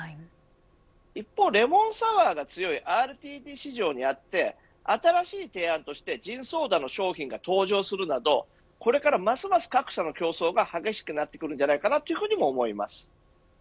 一方、レモンサワ―が強いＲＴＤ市場にあって新しい提案としてジンソーダの商品が登場するなどこれからますます各社の競争が激しくなってくるとも思います。